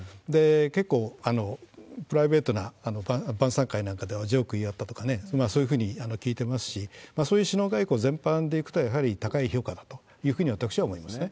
結構プライベートな晩さん会のほうでジョーク言い合ったとかね、そういうふうに聞いてますし、そういう首脳外交全般でいくと、高い評価だったというふうに、私は思いますね。